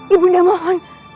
ibu nda mohon